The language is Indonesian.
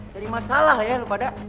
jadi masalah ya lu pada